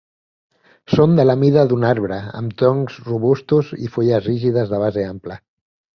Són de la mida d'un arbre amb troncs robustos i fulles rígides de base ampla.